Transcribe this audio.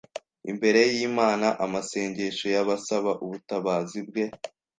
imbere y'Imana amasengesho y'abasaba ubutabazi bwe.